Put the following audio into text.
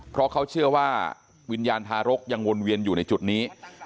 เพราะเขาเชื่อว่าวิญญาณทารกยังวนเวียนอยู่ในจุดนี้